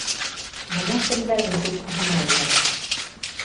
Бына кемдәрҙең тупһаһына этәрә!